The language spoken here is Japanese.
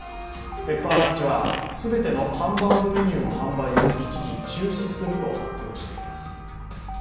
ペッパーランチは、全てのハンバーグメニューの販売を一時中止すると発表しています。